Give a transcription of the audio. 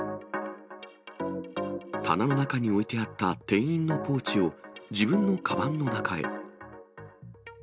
棚の中に置いてあった店員のポーチを、自分のかばんの中へ。